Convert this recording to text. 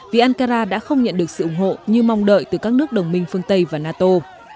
vì ankara đã không nhận được sự ủng hộ như mong đợi từ các nước đồng minh phương tây và nato